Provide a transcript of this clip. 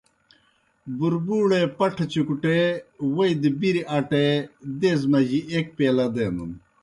بُربُوڑے پٹھہ چُکٹے، ووئی دہ بِریْ اٹے دیزے مجی ایْک پیلہ دینَن۔